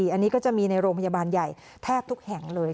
อันนี้ก็จะมีในโรงพยาบาลใหญ่แทบทุกแห่งเลย